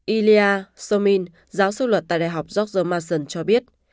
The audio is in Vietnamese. ilya somin giáo sư luật tại đại học george mason cho biết